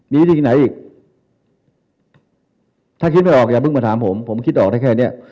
มีวิธีไหนอีกถ้าคิดไม่ออกอย่าเพิ่งมาถามผมผมคิดออกได้แค่เนี้ย